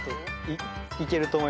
いけると思います。